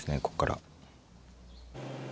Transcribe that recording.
ここから。